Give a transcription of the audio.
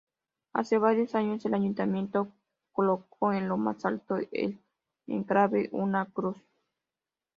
Hace varios años el ayuntamiento coloco en lo más alto del enclave una cruz.